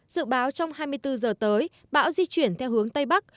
dự báo trong hai mươi bốn giờ tới bão di chuyển theo hướng tây bắc